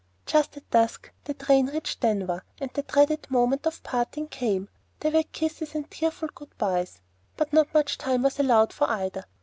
Just at dusk the train reached Denver, and the dreaded moment of parting came. There were kisses and tearful good byes, but not much time was allowed for either.